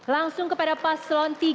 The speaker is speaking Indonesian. langsung kepada paslon tiga